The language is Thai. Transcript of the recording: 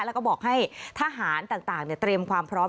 แล้วก็บอกให้ทหารต่างเตรียมความพร้อม